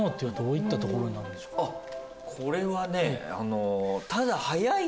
これはね。